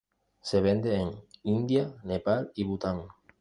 Se vende en India, Nepal y Bután.